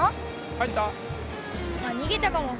入った？